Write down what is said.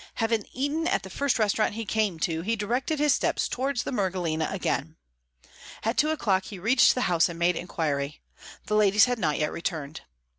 Having eaten at the first restaurant he came to, he directed his steps towards the Mergellina again. At two o'clock he reached the house and made inquiry. The ladies had not yet returned.